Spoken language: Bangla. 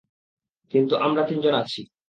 কিন্তু আমরা তিনজন আছি।